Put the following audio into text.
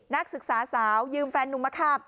นักศึกษาสาวยืมแฟนนุ่มมาขับ